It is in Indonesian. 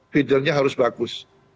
feedernya harus bagus